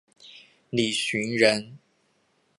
李绚人。